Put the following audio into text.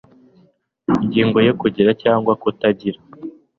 ingingo yo kugira cyangwa kutagir